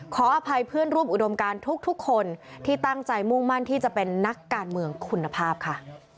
ขออภัยเพื่อนร่วมอุดมการทุกคนที่ตั้งใจมุ่งมั่นที่จะเป็นนักการเมืองคุณภาพค่ะ